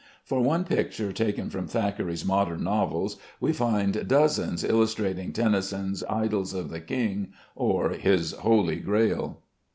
For one picture taken from Thackeray's modern novels, we find dozens illustrating Tennyson's "Idyls of the King," or his "Holy Grail."